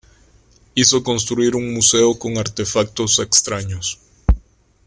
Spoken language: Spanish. Hizo construir un museo con artefactos extraños.